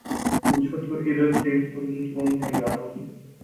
پوچھو تو ادھر تیر فگن کون ہے یارو